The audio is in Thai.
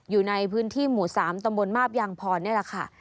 อยู่ในพื้นที่หมู่๓ตำบลมาบยางพรนี่แหละค่ะ